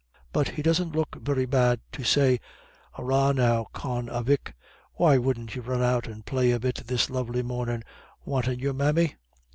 But he doesn't look very bad to say. Arrah now, Con avic, why wouldn't you run out and play a bit this lovely mornin'? Wantin' your mammy?